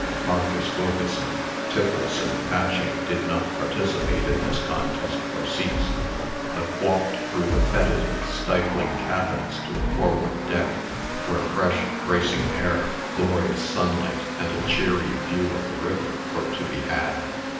Marcus Wilkeson, Times, and Patching did not participate in this contest for seats, but walked through the fetid and stifling cabins to the forward deck, where fresh, bracing air, glorious sunlight, and a cheery view of the river were to be had.